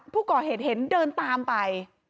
ผู้ก่อเหตุเห็นเดินตามไป